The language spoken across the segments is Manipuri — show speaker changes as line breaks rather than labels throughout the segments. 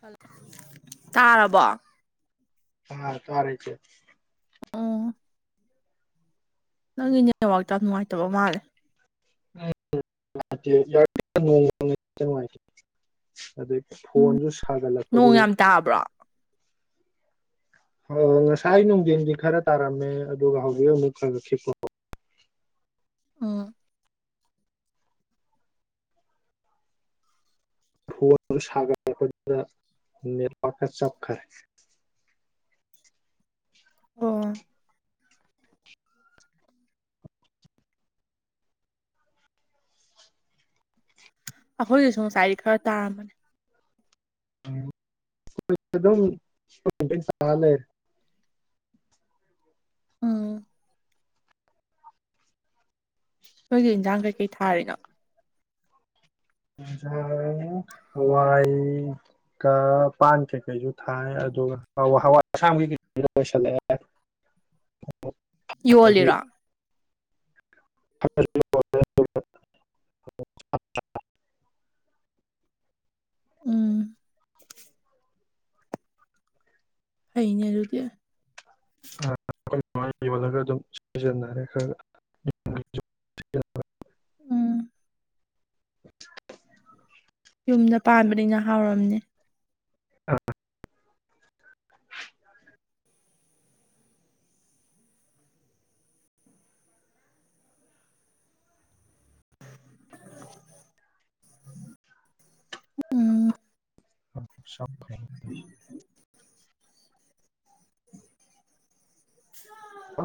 ꯍꯜꯂꯣ ꯇꯥꯔꯕꯣ
ꯑꯥ ꯇꯔꯁ [inaudible]
ꯎꯝ ꯅꯪꯒꯤ ꯅꯦꯠꯋꯥꯛꯇ ꯌꯥꯝ ꯅꯨꯡꯉꯥꯏꯇꯕ ꯃꯥꯜꯂꯦ
ꯅꯨꯡꯉꯥꯏꯇ ꯅꯨꯡꯉꯥꯏꯇꯦ ꯑꯗꯨ
ꯎꯝ
ꯐꯣꯟꯁꯨ
ꯅꯣꯡ
ꯁꯥꯒꯠꯂꯛꯄꯗꯨꯗ
ꯌꯥꯝ ꯇꯥꯕ꯭ꯔꯣ
ꯍ ꯉꯁꯥꯏ ꯅꯨꯡꯊꯤꯟꯗꯤ ꯈꯔ ꯇꯥꯔꯝꯃꯦ ꯑꯗꯨꯒ ꯍꯧꯖꯤꯛ ꯍꯧꯖꯤꯛ ꯐꯉꯛꯁꯤ
ꯑꯣ
ꯐꯣꯟꯁꯦ ꯁꯥꯒꯠꯂꯛꯄꯗꯨꯗ ꯅꯦꯠꯋꯥꯛꯀ ꯆꯞꯈ꯭ꯔꯦ
ꯑꯣ ꯑꯩꯈꯣꯏꯒꯤꯁꯨ ꯉꯁꯥꯏꯗꯤ ꯈꯔ ꯇꯥꯔꯝꯕꯅꯤ
ꯝ ꯑꯗꯨꯝꯂꯦ [inaudible]
ꯎꯝ ꯅꯈꯣꯏꯒꯤ ꯏꯟꯖꯥꯡ ꯀꯩꯀꯩ ꯊꯥꯔꯤꯅꯣ
ꯌꯦꯖꯥꯡ ꯍꯋꯥꯏꯒ ꯄꯥꯟ ꯀꯩꯀꯩꯁꯨ ꯊꯥꯏ ꯑꯗꯨꯒ ꯍꯋꯥꯏ ꯑꯁꯥꯡꯕꯤ ꯒꯩꯁꯨ ꯂꯣꯏꯁꯤꯜꯂꯛꯑꯦ ꯑꯗꯒꯤ
ꯌꯣꯜꯂꯤꯔꯥ
[inaudible]
ꯎꯝ ꯐꯩꯅꯦ ꯑꯗꯨꯗꯤ
ꯑꯩꯈꯣꯏꯥꯏꯅ ꯌꯣꯜꯂꯒ ꯑꯗꯨꯝ ꯁꯤꯖꯤꯟꯅꯔꯦ ꯈꯔ [unintelligible]
ꯎꯝ
[unintelligible]
ꯌꯨꯝꯗ ꯄꯥꯟꯕꯅꯤꯅ ꯍꯥꯎꯔꯝꯅꯤ
ꯑꯥ
ꯎꯝ
[unintelligible] ꯑ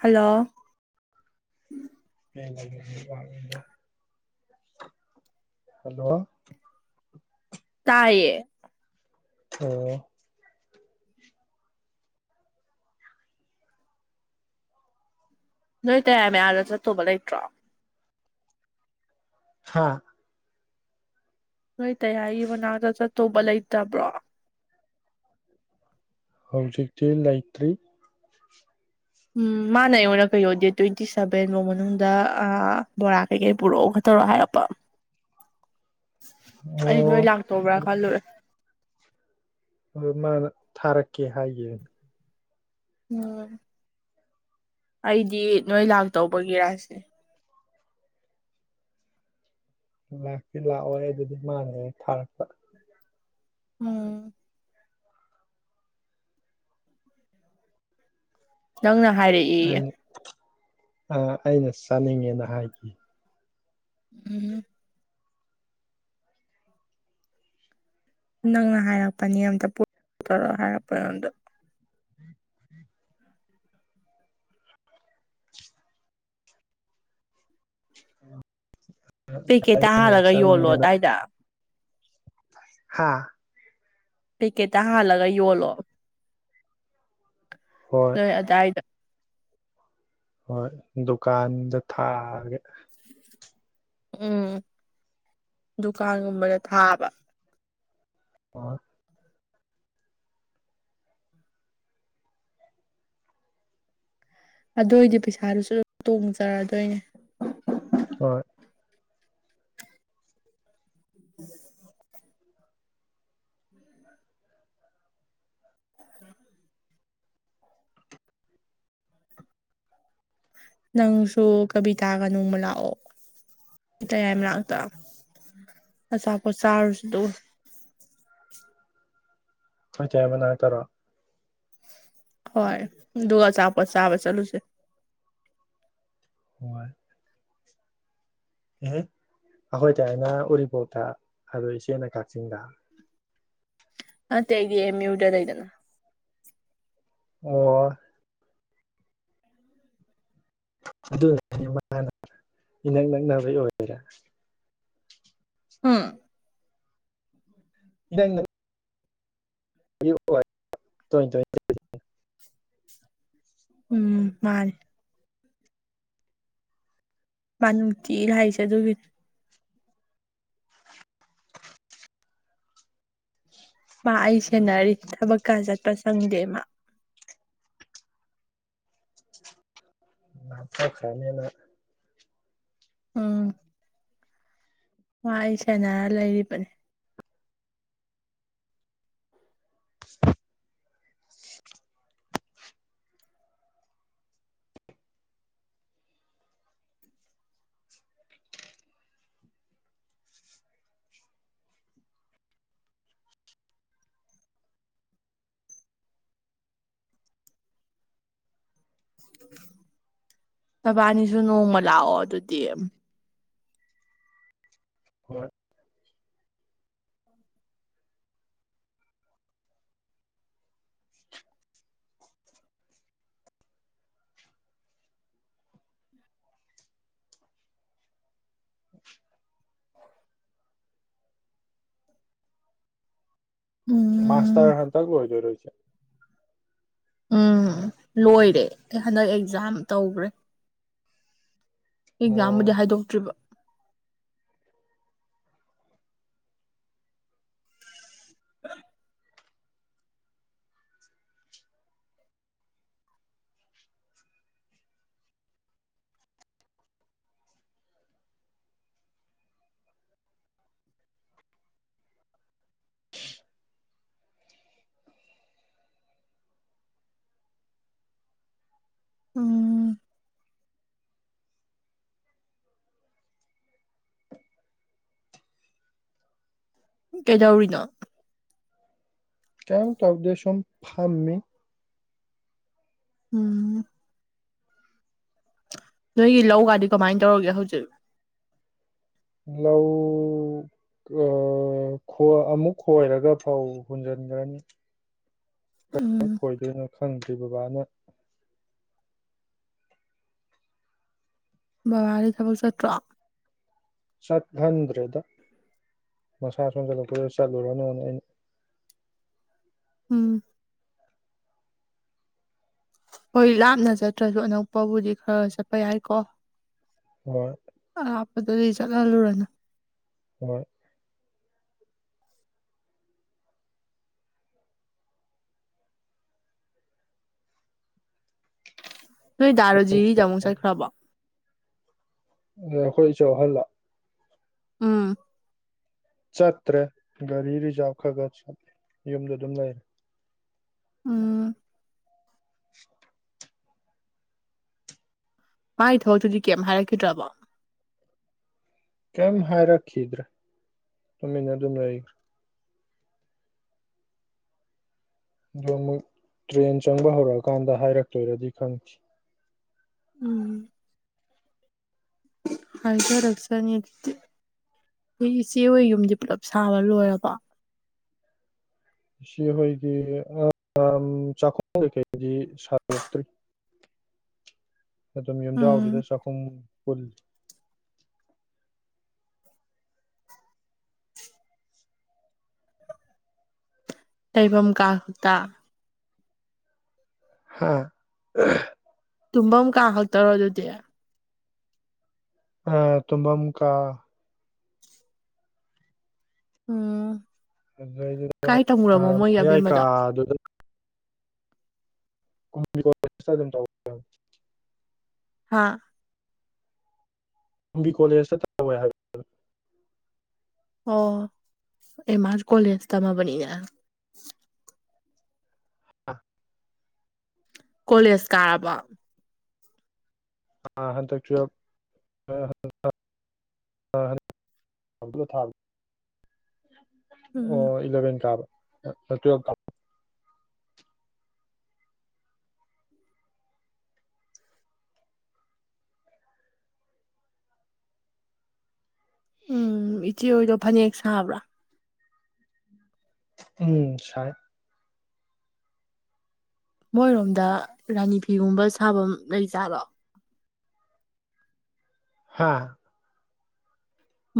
ꯍꯂꯣ
ꯍꯜꯂꯣ
ꯇꯥꯏꯌꯦ
ꯑꯣ
ꯅꯣꯏ ꯇꯌꯥꯏ ꯃꯩ ꯑꯥꯗ ꯆꯠꯇꯧꯕ ꯂꯩꯇ꯭ꯔꯣ
ꯍꯥꯥ
ꯅꯣꯏ ꯇꯌꯥꯏꯒꯤ ꯃꯅꯥꯛꯇ ꯆꯠꯇꯧꯕ ꯂꯩꯇꯕ꯭ꯔꯣ
ꯍꯧꯖꯤꯛꯇꯤ ꯂꯩꯇ꯭ꯔꯤ
ꯎꯝ ꯃꯥꯅ ꯑꯩ ꯑꯣꯏꯔꯛ ꯀꯩꯌꯣ ꯗꯦꯠ ꯇ꯭ꯋꯦꯟꯇꯤ ꯁꯚꯦꯟꯐꯥꯎ ꯃꯅꯨꯡꯗ ꯕꯣꯔꯥ ꯀꯩꯀꯩ ꯄꯨꯔꯛꯑꯣ ꯈꯠꯇꯧꯔꯣꯑꯣ ꯍꯥꯏꯔꯛꯄ ꯑꯩ ꯅꯣꯏ
ꯑꯣ
ꯂꯥꯛꯇꯧꯕ꯭ꯔꯥ ꯈꯜꯂꯨꯔꯦ
ꯃꯥ ꯊꯔꯛꯀꯦ ꯍꯥꯏꯌꯦ
ꯎꯝ ꯑꯩꯗꯤ ꯅꯣꯏ ꯂꯥꯛꯇꯧꯕꯒꯤꯔꯥꯁꯦ
ꯂꯥꯛꯇꯤ ꯂꯥꯛꯑꯣꯏ ꯑꯗꯨꯗꯤ ꯃꯥꯅꯍꯦꯛ ꯊꯥꯔꯛꯄ
ꯎꯝ ꯅꯪꯅ ꯍꯥꯏꯔꯛꯑꯦꯌꯦ
ꯑꯩꯅ ꯑ ꯑꯩꯅ ꯆꯥꯅꯤꯡꯉꯦꯅ ꯍꯥꯏꯈꯤ
ꯎꯝ ꯅꯪꯅ ꯍꯥꯏꯔꯛꯄꯅꯤ ꯑꯝꯇ ꯄꯨ ꯇꯧꯔꯣ ꯍꯥꯏꯔꯛꯄ ꯉꯣꯟꯗ
ꯑꯣ
ꯄꯦꯛꯀꯦꯠꯇ ꯍꯥꯜꯂꯒ ꯌꯣꯜꯂꯣ ꯑꯗꯥꯏꯗ
ꯍꯥꯥ
ꯄꯤ ꯀꯦ ꯇ ꯍꯥꯥꯟꯂꯒ ꯌꯣꯂꯣ
ꯍꯣꯏ
ꯅꯣꯏ ꯑꯗꯥꯏꯗ
ꯍꯣꯏ ꯗꯨꯀꯥꯟꯗ ꯊꯥꯒꯦ
ꯎꯝ ꯗꯨꯀꯥꯟꯒꯨꯝꯕꯗ ꯊꯥꯕ
ꯍꯣꯏ
ꯑꯗꯨ ꯑꯣꯏꯗꯤ ꯄꯩꯁꯥꯗꯨꯁꯨ ꯇꯣꯡꯖꯔꯣꯏꯗꯣꯏꯅꯦ
ꯍꯣꯏ
[unintelligible] [unintelligible] ꯅꯪꯁꯨ ꯀꯕꯤꯇꯥꯒ ꯅꯣꯡꯃ ꯂꯥꯛꯑꯣ ꯇꯌꯥꯏ ꯃꯅꯥꯛꯇ ꯑꯆꯥꯄꯣꯠ ꯆꯥꯔꯨꯁꯤ ꯑꯗꯨꯒ
ꯈꯣꯏ ꯇꯌꯥꯏꯃ ꯃꯅꯥꯛ ꯇꯔꯣ
ꯍꯣꯏ ꯑꯗꯨꯒ ꯑꯆꯥꯄꯣꯠ ꯆꯥꯕ ꯆꯠꯂꯨꯁꯦ
ꯍꯣꯏ ꯑꯦ ꯑꯈꯣꯏ ꯇꯌꯥꯏꯃꯅ ꯎꯔꯤꯄꯣꯛꯇ ꯑꯗꯨ ꯏꯆꯦꯅ ꯀꯥꯛꯆꯤꯡꯗ
ꯅꯠꯇꯦ ꯑꯩꯗꯤ ꯑꯦꯝ ꯌꯨꯗ ꯂꯩꯗꯅ
ꯑꯣ ꯑꯗꯨꯅꯦ ꯃꯥꯅ ꯏꯅꯛ ꯅꯛꯅꯕꯩ ꯑꯣꯏꯔꯦ
ꯍꯨꯝ
ꯕꯦꯡꯒ ꯇ
ꯎꯝ ꯃꯥꯜ ꯃꯅ ꯀ ꯏ ꯂꯁꯦ ꯑꯗꯨꯒꯤ ꯃꯥ ꯑꯩ ꯁꯦꯅꯔꯤ ꯊꯕꯛꯀ ꯆꯠꯄ ꯆꯪꯗꯦꯃ
ꯑ ꯆ ꯈꯅꯦꯅ
ꯎꯝ ꯑꯩ ꯁꯦꯅꯔ ꯂꯩꯔꯤꯕꯅꯤ ꯇꯕꯥꯅꯤꯁꯨ ꯅꯣꯡꯃ ꯂꯥꯛꯑꯣ ꯑꯗꯨꯗꯤ
ꯍ ꯃꯥꯁꯇꯔ ꯑꯦ ꯍꯟꯇ ꯑꯣꯏꯣꯏꯗꯔꯣꯏꯁ
ꯎꯝ ꯂꯣꯏꯔꯦ ꯍꯟꯗꯛ ꯑꯦꯛꯖꯥꯝ ꯇꯧꯈ꯭ꯔꯦ
ꯑꯣ
ꯑꯦꯛꯖꯥꯝꯕꯨꯗꯤ ꯍꯥꯏꯗꯣꯛꯇ꯭ꯔꯤꯕ [inaudible] ꯎꯝ ꯀꯦꯗꯥꯎꯔꯤꯅꯥ
ꯀꯃ ꯇ ꯑꯗꯨꯗ ꯁꯨꯝ ꯐꯝꯅꯤ
ꯎꯝ ꯅꯣꯏꯒꯤ ꯂꯧꯒꯗꯤ ꯀꯃꯥꯏꯅ ꯇꯧꯔꯒꯦ ꯍꯧꯖꯤꯛ
ꯂꯧ ꯑꯃꯨꯛ ꯈꯣꯏꯔꯒ ꯐꯧ ꯍꯨꯟꯖꯤꯟꯈ꯭ꯔꯅꯤ ꯀ
ꯎꯝ
ꯈꯣꯏꯗꯣꯏꯅꯣ ꯈꯪꯗ꯭ꯦ ꯕꯕꯥꯅ
ꯕꯕꯥꯔꯤ ꯊꯕꯛ ꯆꯠꯇ꯭ꯔꯣ
ꯆꯠꯍꯟꯗ꯭ꯔꯦꯗ ꯃꯁꯥ ꯁꯣꯟꯖꯜꯂꯛꯄ ꯆꯠꯂꯨꯔꯅꯅꯦ ꯑꯩꯅ
ꯎꯝ ꯍꯣꯏ ꯂꯥꯞꯅ ꯆꯠꯇ꯭ꯔꯁꯨ ꯑꯅꯛꯄꯕꯨꯗꯤ ꯈꯔ ꯆꯠꯄ ꯌꯥꯏꯀꯣ
ꯍꯣꯏ
ꯑ ꯑꯗꯨꯗꯤ ꯆꯠꯍꯜꯂꯨꯔꯅ
ꯍꯣꯏ
ꯅꯣꯏ ꯗꯥꯔꯣꯖꯤ ꯇꯥꯃꯨꯛ ꯆꯠꯈ꯭ꯔꯕ
ꯑꯦ ꯑꯩꯈꯣꯏ ꯏꯁꯨꯦꯍꯜꯂ
ꯎꯝ
ꯆꯠꯇ꯭ꯔꯦ ꯒꯥꯔꯤ ꯔꯤꯖꯥꯚ ꯈꯔ ꯈ ꯆꯠꯂꯦ ꯌꯨꯝꯗ ꯑꯗꯨꯝ ꯂꯩꯔꯦ
ꯎꯝ
[inaudible]
ꯃꯥꯏꯊ ꯑꯗꯨꯗꯤ ꯀꯩꯝ ꯍꯥꯏꯔꯛꯈꯤꯗ꯭ꯔꯕꯣ
ꯀꯩꯝ ꯍꯥꯏꯔꯛꯈꯤꯗ꯭ꯔꯦ ꯇꯨꯃꯤꯟꯅ ꯑꯗꯨ ꯂꯩꯈ꯭ꯔꯥ ꯑꯗꯣ ꯑꯃꯨꯛ ꯇ꯭ꯔꯦꯟ ꯆꯪꯕ ꯍꯧꯔꯛꯑꯀꯥꯟꯗ ꯍꯥꯏꯔꯛꯇꯣꯏꯔꯗꯤ ꯈꯪꯈꯤ
ꯎꯝ ꯍꯥꯏ ꯄ꯭ꯔꯗꯛꯁꯅꯤ ꯑꯗꯨꯗꯤ ꯑꯩꯣꯏ ꯏꯆꯦ ꯍꯣꯏ ꯌꯨꯝꯗꯤ ꯄꯨꯂꯞ ꯁꯥꯕ ꯂꯣꯏꯔꯕ
ꯁꯤ ꯑꯩꯈꯣꯏꯒꯤ ꯆꯥꯛꯈꯣꯡ ꯀꯩꯀꯩꯗꯤ ꯁꯥꯗꯣꯛꯇ꯭ꯔꯤ ꯑꯗꯨꯣ
ꯎꯝ
ꯌꯨꯝꯖꯥꯎꯗꯨꯗ ꯆꯥꯛꯈꯨꯝ ꯄꯨꯜ
ꯁꯩꯕꯝ ꯀꯥ ꯍꯗ
ꯍꯥꯥ
ꯇꯨꯝꯐꯝ ꯀꯥ ꯈꯛꯇꯔꯣ ꯑꯗꯨꯗꯤ
ꯑ ꯇꯃ ꯑꯃꯨꯀ
ꯎꯝ ꯀꯥꯏ ꯇꯝꯃꯨꯔꯃꯣ ꯃꯣꯏꯒꯤ
ꯑꯗꯨ ꯃꯏ ꯀ
ꯑꯕꯦꯝꯃꯗꯣ
ꯑꯗꯨ ꯀ ꯑꯗꯨꯝ ꯇ
ꯍꯥꯥ
ꯕꯤ ꯀꯣꯂꯦꯖꯇ ꯍꯧꯋꯦ ꯍꯥꯏꯕ
ꯑꯦ ꯃꯥꯁꯨ ꯀꯣꯂꯦꯁꯇꯝꯃꯕ ꯅꯤꯅꯦ
ꯍꯥꯏꯕ
ꯀꯣꯂꯦꯖ ꯀꯥꯔꯕꯣ
ꯑꯥ ꯍꯟꯗꯛ ꯇꯨꯋ꯭ꯂꯦꯞ [unintelligible]
ꯎꯝ
ꯑꯣ ꯏꯂꯥꯕꯦꯟ ꯀꯥꯕ ꯁ ꯇꯨꯋ꯭ꯂꯦꯞ [unintelligible]
ꯎꯝ ꯏꯆꯦ ꯍꯣꯏꯗꯣ ꯐꯅꯦꯛ ꯁꯥꯕ꯭ꯔꯥ
ꯎꯝ ꯁꯥꯏ
ꯃꯣꯏꯔꯣꯝꯗ ꯔꯥꯅꯤ ꯐꯤꯒꯨꯝꯕ ꯁꯥꯕꯝ ꯂꯩꯖꯥꯠꯂꯣ
ꯍꯥꯥ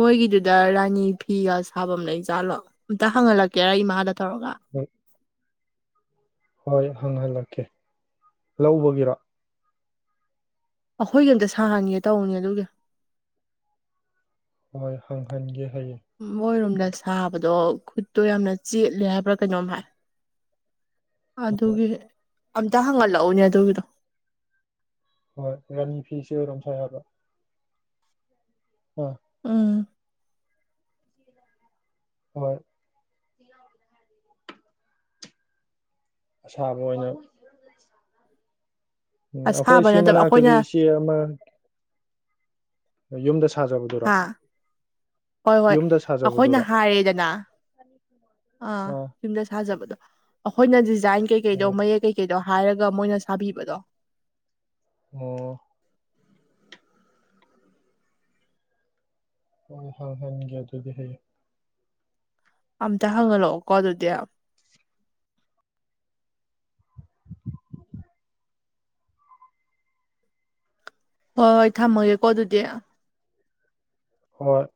ꯃꯣꯏꯒꯤꯗꯨꯗ ꯔꯥꯅꯤ ꯐꯤꯒ ꯁꯥꯐꯝ ꯂꯩ ꯏꯖꯥꯠꯂꯣ ꯑꯝꯇ ꯍꯪꯍꯜꯂꯛꯀꯦꯔ ꯏꯃꯥꯗ ꯇꯧꯔꯒ
ꯍꯣꯏ ꯍꯪꯍꯜꯂꯛꯀꯦ ꯂꯧꯕꯒꯤꯔꯣ
ꯑꯈꯣꯏꯒꯤ ꯑꯝꯇ ꯁꯥꯍꯟꯒꯦ ꯇꯧꯅꯦ ꯑꯗꯨꯒꯤ
ꯍꯣꯏ ꯍꯪꯍꯟꯒꯦ ꯍꯌꯦꯡ
ꯃꯣꯏꯔꯣꯝꯗ ꯁꯥꯕꯗꯣ ꯈꯨꯠꯇꯣ ꯌꯥꯝꯅ ꯆꯦꯠꯂꯦ ꯍꯥꯏꯕ꯭ꯔꯥ ꯀꯩꯅꯣꯝ ꯍꯥꯏ ꯑꯗꯨꯒꯤ ꯑꯝꯇ ꯍꯪꯍꯠꯂꯛꯎꯅꯦ ꯑꯗꯨꯒꯤꯗꯣ
ꯍꯣꯏ ꯔꯥꯅꯤ ꯐꯤꯁꯦ ꯑꯣꯏꯔꯣꯝ ꯁꯥꯏ ꯍꯥꯏꯕ ꯍꯥ
ꯎꯝ
ꯍꯣꯏ ꯑꯁꯥꯕ ꯑꯣꯏꯅ ꯎꯝ ꯑꯈꯣꯏ
ꯑꯁꯥꯕ
ꯁꯤ
ꯅꯠꯇꯕ
ꯃꯅꯥꯛꯇꯁꯨ
ꯑꯩꯈꯣꯏꯅ
ꯏꯆꯦ ꯑꯃ ꯌꯨꯝꯗ ꯁꯥꯖꯕꯗꯨꯔꯣ
ꯍꯥ ꯍꯣꯏ ꯍꯣꯏ
ꯌꯨꯝꯗ
ꯑꯈꯣꯏꯅ
ꯁꯥꯖꯕꯗꯨꯔꯣ
ꯍꯥꯏꯔꯦꯗꯅ ꯑꯥ ꯌꯨꯝꯗ ꯁꯥꯖꯕꯗꯣ ꯑꯈꯣꯏꯅ ꯗꯤꯖ ꯖꯥꯏꯟ ꯀꯩꯀꯩꯗꯣ
ꯎꯝ
ꯃꯌꯦꯛ ꯀꯩꯀꯩꯗꯣ ꯍꯥꯏꯔꯒ ꯃꯣꯏꯅ ꯁꯥꯕꯤꯕꯗꯣ
ꯑꯣ ꯍꯣꯏ ꯍ ꯍꯪꯒꯦ ꯑꯗꯨꯗꯤ ꯍꯌꯦꯡ
ꯑꯝꯇ ꯍꯪꯍꯜꯂꯛꯑꯣꯀꯣ ꯑꯗꯨꯗꯤ ꯍꯣꯏ ꯍꯣꯏ ꯊꯝꯃꯒꯦꯀꯣ ꯑꯗꯨꯗꯤ
ꯍꯣꯏ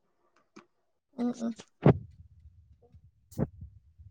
ꯎꯝ ꯎꯝ
[unintelligible]